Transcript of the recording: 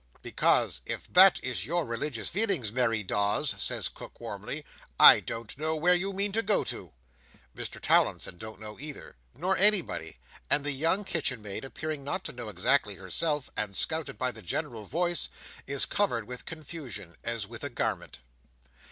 "Because if that is your religious feelings, Mary Daws," says Cook warmly, "I don't know where you mean to go to." Mr Towlinson don't know either; nor anybody; and the young kitchen maid, appearing not to know exactly, herself, and scouted by the general voice, is covered with confusion, as with a garment.